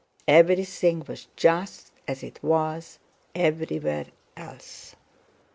Everything was just as it was everywhere else.